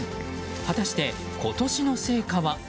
果たして、今年の成果は？